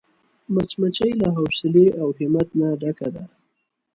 مچمچۍ له حوصلې او همت نه ډکه ده